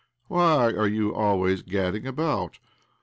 " Why are you always gadding about?